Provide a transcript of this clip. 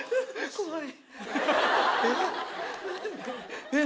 怖い。